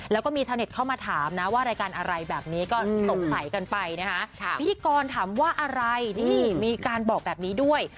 แล้วก็มีชาวเน็ตเข้ามาถามนะว่ารายการอะไรแบบนี้ก็สงสัยกันไปนะคะพิธีกรถามว่าอะไรนี่มีการบอกแบบนี้ด้วย